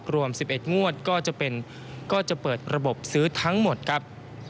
รวม๑๑งวดก็จะเปิดระบบซื้อทั้งหมดครับ